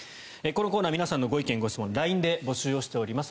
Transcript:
このコーナー皆さんのご意見・ご質問をＬＩＮＥで募集しております。